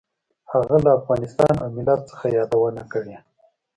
هغه له افغانستان او ملت څخه یادونه کړې.